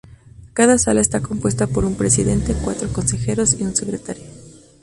Cada sala está compuesta por un Presidente, cuatro consejeros y un secretario.